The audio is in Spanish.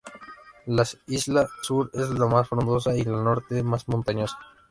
La isla sur es más frondosa y la norte más montañosa.